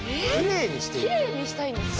キレイにしたいんですか？